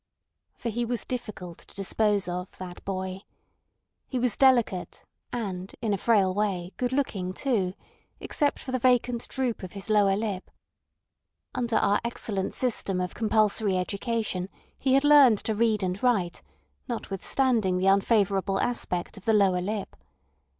For he was difficult to dispose of, that boy. He was delicate and, in a frail way, good looking too, except for the vacant droop of his lower lip. Under our excellent system of compulsory education he had learned to read and write, notwithstanding the unfavourable aspect of the lower lip.